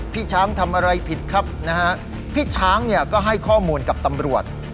พี่ช้างทำอะไรผิดครับนะฮะพี่ช้างเนี่ยก็ให้ข้อมูลกับตำรวจ